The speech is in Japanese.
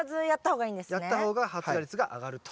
やった方が発芽率が上がると。